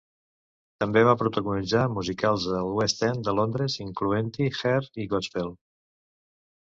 També va protagonitzar musicals al West End de Londres, incloent-hi "Hair" i "Godspell".